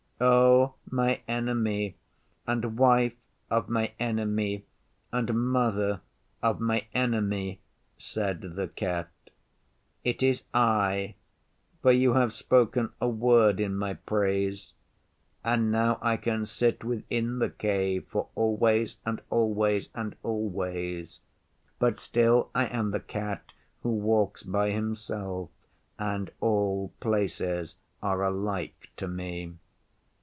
'O my Enemy and Wife of my Enemy and Mother of my Enemy,' said the Cat, 'it is I: for you have spoken a word in my praise, and now I can sit within the Cave for always and always and always. But still I am the Cat who walks by himself, and all places are alike to me.